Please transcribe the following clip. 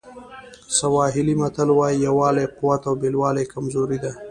سواهیلي متل وایي یووالی قوت او بېلوالی کمزوري ده.